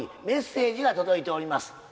メッセージが届いております。